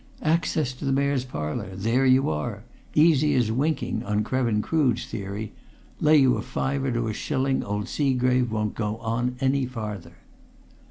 Access to the Mayor's Parlour there you are! Easy as winking, on Krevin Crood's theory. Lay you a fiver to a shilling old Seagrave won't go on any farther."